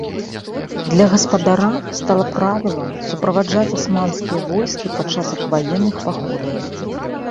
Для гаспадара стала правілам суправаджаць асманскія войскі падчас іх ваенных паходаў.